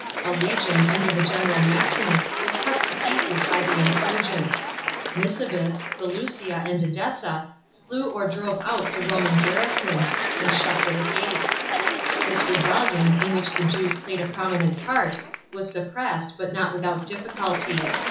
A legion under the general Maximus was cut to pieces hy the insurgents. Nisibis, Seleucia, and E<lessa slew or drove out the Roman garrisons, and shut their gates. This rebellion, in which the Jews played a prominent part, was suppressed, but not without difficulty.